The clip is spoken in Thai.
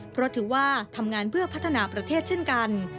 เพราะถือว่าทำงานเพื่อพัฒนาประเทศเช่นกัน